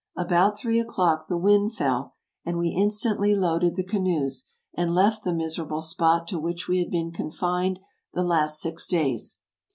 About three o'clock the wind fell, and we in stantly loaded the canoes, and left the miserable spot to which we had been confined the last six days.